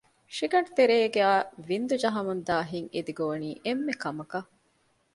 ށިގަނޑުގެ ތެރޭގައި ވިންދު ޖަހަމުން ދާ ހިތް އެދި ގޮވަނީ އެންމެ ކަމަކަށް